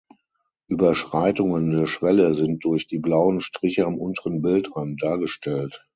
Überschreitungen der Schwelle sind durch die blauen Striche am unteren Bildrand dargestellt.